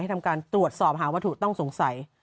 ทำการตรวจสอบหาวัตถุต้องสงสัย